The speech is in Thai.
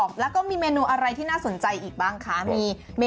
ข้างบัวแห่งสันยินดีต้อนรับทุกท่านนะครับ